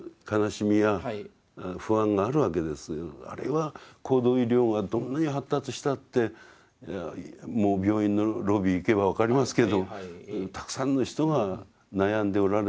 あるいは高度医療がどんなに発達したってもう病院のロビー行けば分かりますけどたくさんの人が悩んでおられる。